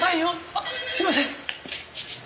あすいません！